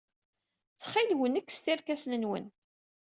Ttxil-wen, kkset irkasen-nwen.